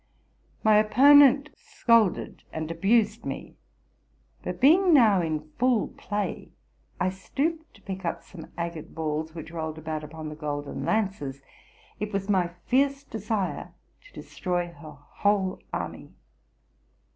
My opponent scolded and abused me ; but, being now in full play, I stooped to pick up some agate balls which rolled about upon the golden lances. It was my fierce desire to destroy her whole army.